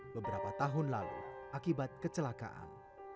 beberapa tahun lalu akibat kecelakaan